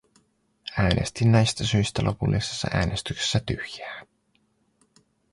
Äänestin näistä syistä lopullisessa äänestyksessä tyhjää.